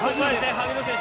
萩野選手、